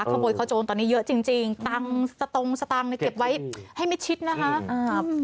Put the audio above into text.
ขโมยขโจรตอนนี้เยอะจริงตังค์สตงสตางค์ในเก็บไว้ให้มิดชิดนะคะ